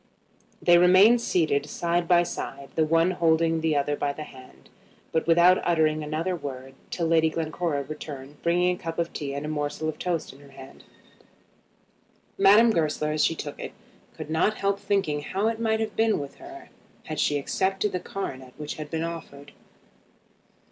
They remained seated side by side, the one holding the other by the hand, but without uttering another word, till Lady Glencora returned bringing a cup of tea and a morsel of toast in her own hand. Madame Goesler, as she took it, could not help thinking how it might have been with her had she accepted the coronet which had been offered.